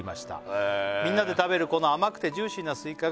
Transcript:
へえ「みんなで食べるこの甘くてジューシーなスイカが」